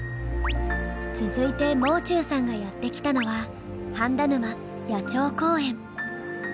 続いてもう中さんがやって来たのは羽田沼野鳥公園。